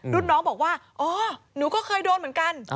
รุ่นน้องบอกว่าอ๋อหนูก็เคยโดนเหมือนกัน